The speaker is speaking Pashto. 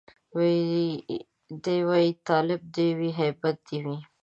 دی وايي تالب دي وي هيبت دي وي